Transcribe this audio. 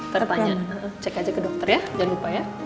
tertanya cek aja ke dokter ya jangan lupa ya